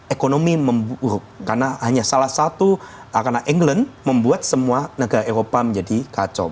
ekonomi memburuk karena hanya salah satu karena england membuat semua negara eropa menjadi kacau